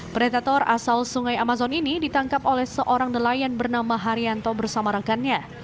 pretator asal sungai amazon ini ditangkap oleh seorang nelayan bernama haryanto bersama rekannya